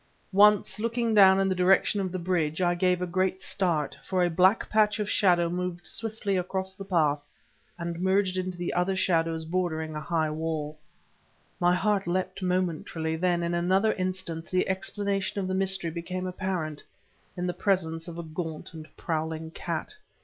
Once, looking down in the direction of the bridge, I gave a great start, for a black patch of shadow moved swiftly across the path and merged into the other shadows bordering a high wall. My heart leapt momentarily, then, in another instant, the explanation of the mystery became apparent in the presence of a gaunt and prowling cat.